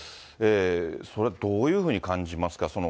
それ、どういうふうに感じますか？